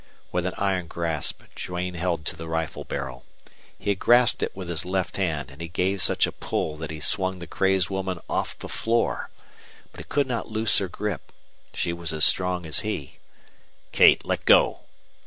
With an iron grasp Duane held to the rifle barrel. He had grasped it with his left hand, and he gave such a pull that he swung the crazed woman off the floor. But he could not loose her grip. She was as strong as he. "Kate! Let go!"